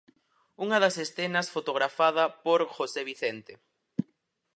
Unha das escenas fotografada por José Vicente.